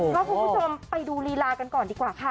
เพราะคุณผู้ชมไปดูลีลากันก่อนดีกว่าค่ะ